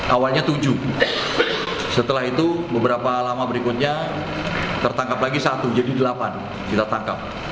awalnya tujuh setelah itu beberapa lama berikutnya tertangkap lagi satu jadi delapan kita tangkap